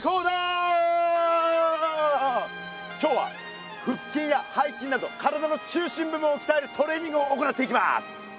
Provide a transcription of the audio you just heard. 今日はふっきんやはいきんなど体の中心部分をきたえるトレーニングを行っていきます。